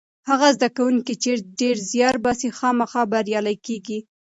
هغه زده کوونکی چې ډېر زیار باسي خامخا بریالی کېږي.